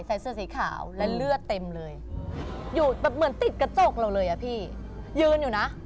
เสื้อสีขาวและเลือดเต็มเลยอยู่แบบเหมือนติดกระจกเราเลยอ่ะพี่ยืนอยู่นะ